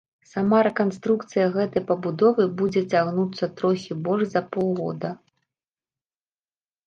Сама рэканструкцыя гэтай пабудовы будзе цягнуцца трохі больш за паўгода.